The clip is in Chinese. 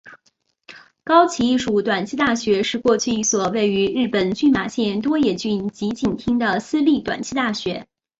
高崎艺术短期大学是过去一所位于日本群马县多野郡吉井町的私立短期大学。